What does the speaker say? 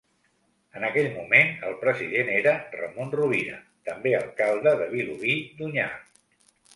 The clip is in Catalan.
En aquell moment el president era Ramon Rovira, també alcalde de Vilobí d'Onyar.